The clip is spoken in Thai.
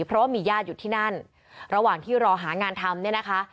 เพราะว่ามีญาติอยู่ที่นั่นระหว่างที่รอหางานทำเนี่ยนะคะ